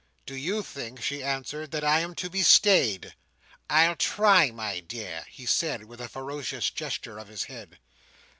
"Do you think," she answered, "that I am to be stayed?" "I'll try, my dear," he said with a ferocious gesture of his head.